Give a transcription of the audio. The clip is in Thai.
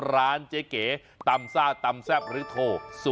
ร้านเจ๊เก๋ตำซ่าตำแซ่บหรือโทร๐